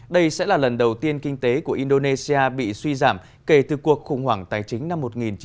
đây sẽ là lần đầu tiên kinh tế của indonesia bị suy giảm kể từ cuộc khủng hoảng tài chính năm một nghìn chín trăm bảy mươi